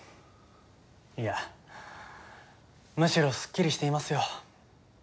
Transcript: いやむしろすっきりしていますよ